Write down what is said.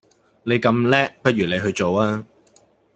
你咁叻不如你去做吖